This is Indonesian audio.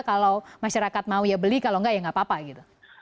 kalau masyarakat mau ya beli kalau enggak ya nggak apa apa gitu